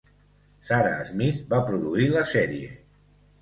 Sarah Smith va produir la sèrie.